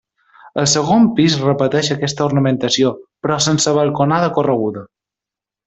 Al segon pis repeteix aquesta ornamentació, però sense balconada correguda.